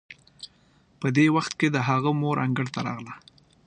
په دې وخت کې د هغه مور انګړ ته راغله.